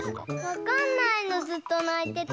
わかんないのずっとないてて。